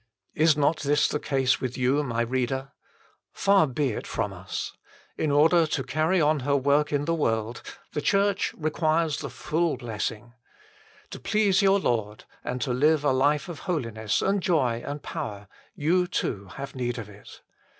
Is not this the case with you, my reader ? Far be it from us. In order to carry on her work in the world, the Church requires the full HOW IT IS OBTAINED BY US 79 blessing. To please your Lord and to live a life of holiness, and joy, and power, you too have need of it.